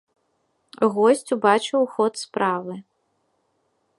Госць убачыў ход справы.